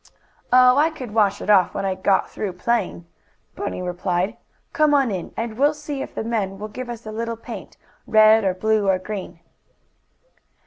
"Oh, I could wash it off when I got through playing," Bunny replied. "Come on in, and we'll see if the men will give us a little paint; red, or blue or green."